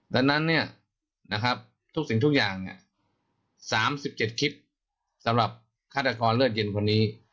ดังนั้นทุกสิ่งทุกอย่าง๓๗คลิปสำหรับฆาตกรเลือดเย็นคนนี้